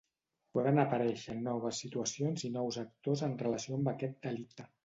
Poden aparèixer noves situacions i nous actors en relació amb aquest delicte.